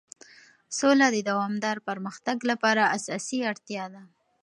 سوله د دوامدار پرمختګ لپاره اساسي اړتیا ده.